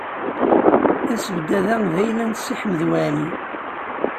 Asebdad-a d ayla n Si Ḥmed Waɛli.